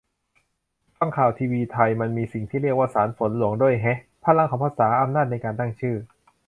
ฟังข่าวทีวีไทย มันมีสิ่งที่เรียกว่า 'สารฝนหลวง' ด้วยแฮะ - พลังของภาษา อำนาจในการตั้งชื่อ